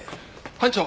班長！